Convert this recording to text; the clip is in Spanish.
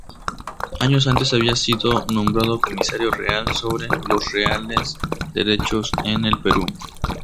Años antes había sido nombrado Comisario Real sobre los reales derechos en el Perú.